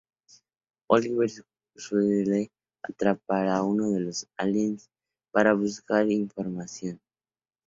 Oliver sugiere atrapar a uno de los aliens para buscar información.